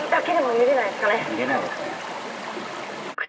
見れないですね。